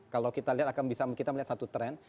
kalau kita lihat akan bisa kita melihat satu tren